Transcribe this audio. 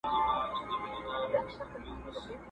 آسمانه ما خو داسي نه غوښتله!